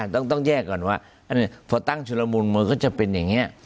ต้องแยกก่อนว่าพอตั้งชุดละมุนมันก็จะเป็นอย่างนี้